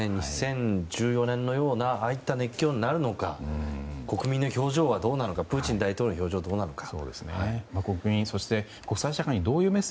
２０１４年のようなああいった熱狂になるのか国民の表情はどうなのかプーチン大統領の表情はどうか。